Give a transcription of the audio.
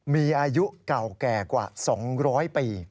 มีอายุเก่าแก่กว่า๒๐๐ปี